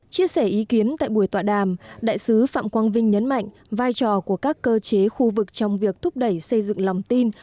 chia sẻ ý kiến tại buổi tọa đàm đại sứ phạm quang vinh nhấn mạnh vai trò của các cơ chế khu vực trong việc thúc đẩy xây dựng lòng tin